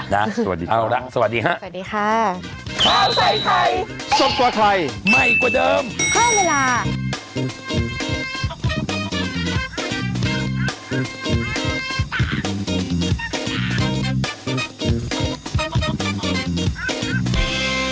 ใช่ค่ะสวัสดีค่ะสวัสดีค่ะเอาละสวัสดีค่ะสวัสดีค่ะ